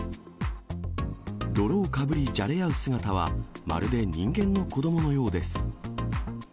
泥をかぶりじゃれ合う姿は、まるで人間の子どものようです。